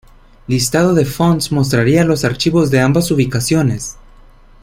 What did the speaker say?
Listado de "Fonts:" mostraría los archivos de ambas ubicaciones.